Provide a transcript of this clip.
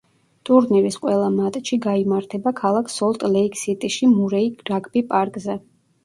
ტურნირის ყველა მატჩი გაიმართება ქალაქ სოლტ-ლეიკ-სიტიში მურეი რაგბი პარკზე.